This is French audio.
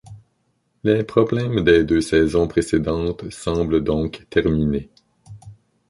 Les problèmes des deux saisons précédentes semblent donc terminées.